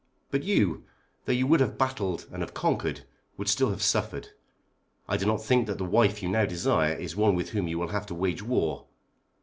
But you, though you would have battled and have conquered, would still have suffered. I do not think that the wife you now desire is one with whom you will have to wage war.